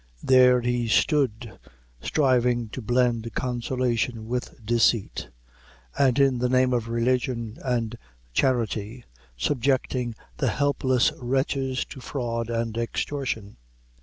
There he stood, striving to blend consolation with deceit, and in the name of religion and charity subjecting the helpless wretches to fraud and extortion.